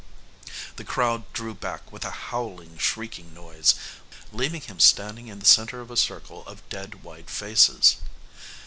The crowd drew back with a howling, shrieking noise, leaving him standing in the center of a circle of dead white faces.